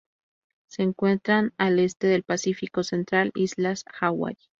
Se encuentran al este del Pacífico central: Islas Hawaii.